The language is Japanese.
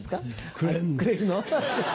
くれるの。